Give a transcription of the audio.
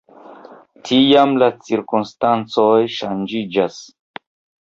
Tiam la cirkonstancoj ŝanĝiĝas.